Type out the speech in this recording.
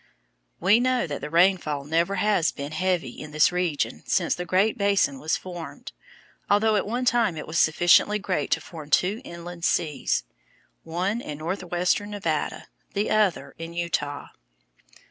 We know that the rainfall never has been heavy in this region since the Great Basin was formed, although at one time it was sufficiently great to form two inland seas, one in northwestern Nevada, the other in Utah.